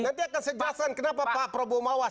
nanti akan saya jelasin kenapa pak prabowo mawas